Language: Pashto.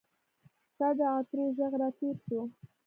ستا د عطرو ږغ راتیر سو